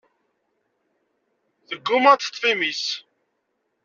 Tegguma ad teṭṭef imi-s.